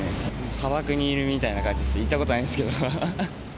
砂漠にいるみたいな感じですね、行ったことないんですけど。